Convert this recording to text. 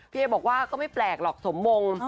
เอบอกว่าก็ไม่แปลกหรอกสมมง